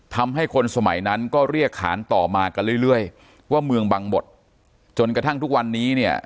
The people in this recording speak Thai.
ทำให้คนสมัยนั้นก็เรียกขานต่อมากันเรื่อยว่าเมืองบังหมดจนกระทั่งทุกวันนี้เนี่ย